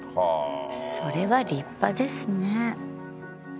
それは立派ですね。